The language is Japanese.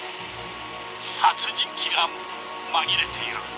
殺人鬼が紛れている。